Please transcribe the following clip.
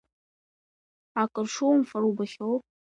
Акыршумфара убахьоу?